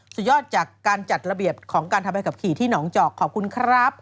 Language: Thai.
สุดยอดจากการจัดระเบียบของการทำใบขับขี่ที่หนองจอกขอบคุณครับ